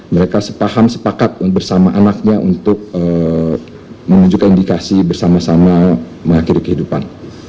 mereka sepaham sepakat bersama anaknya untuk menunjukkan indikasi bersama sama mengakhiri kehidupan